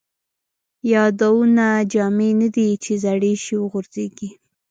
یادونه جامې نه دي ،چې زړې شي وغورځيږي